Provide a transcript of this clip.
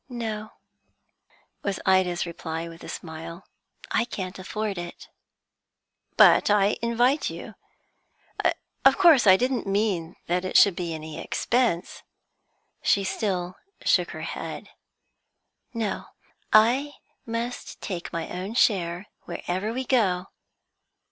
"No," was Ida's reply, with a smile, "I can't afford it." "But I invite you. Of course I didn't mean that it should be any expense." She still shook her head. "No, I must take my own share, wherever we go."